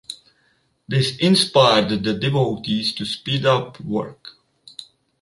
This inspired the devotees to speed up work.